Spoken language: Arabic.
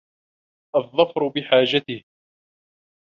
الظَّفَرُ بِحَاجَتِهِ